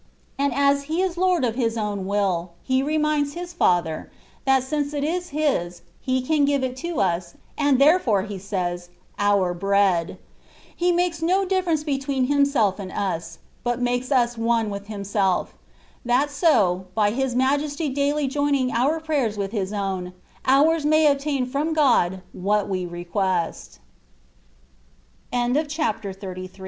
And as He is Lord of His own will, He reminds His Father, that since it is His, He can give it to us, and therefore He says, " Our bread.^^ He makes no difference between Himself and us, but makes us one with Himself; that so, by His Majesty daily joining our prayer with His own, ours may obtain from